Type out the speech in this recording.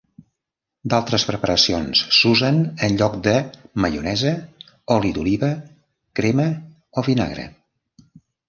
D'altres preparacions s'usen en lloc de maionesa, oli d'oliva, crema o vinagre.